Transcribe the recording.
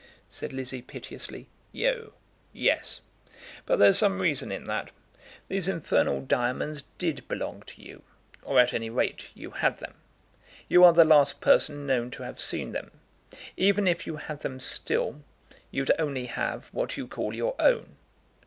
said Lizzie piteously. "You; yes. But there's some reason in that. These infernal diamonds did belong to you, or, at any rate, you had them. You are the last person known to have seen them. Even if you had them still, you'd only have what you call your own."